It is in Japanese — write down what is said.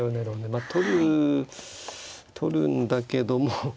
まあ取る取るんだけども。